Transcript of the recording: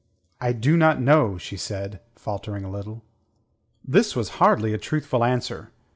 "I do not know," she said, faltering a little. This was hardly a truthful answer.